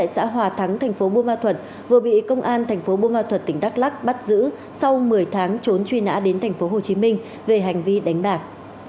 sau một mươi tháng trốn truy nã đến tp hcm về hành vi đánh bạc